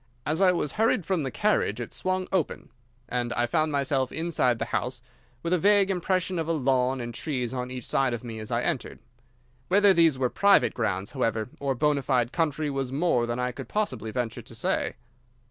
As I was hurried from the carriage it swung open, and I found myself inside the house, with a vague impression of a lawn and trees on each side of me as I entered. Whether these were private grounds, however, or bonâ fide country was more than I could possibly venture to say.